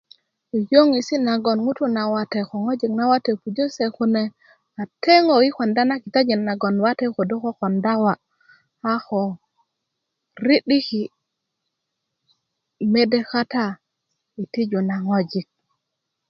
yöyöŋesi na gwon ŋutu na wate ko ŋwajik nawate pujö se kune ateŋö i konda na kitajin nagon wate kodo kokonda wa a ko ri'diki mede kata i tiju naŋwajik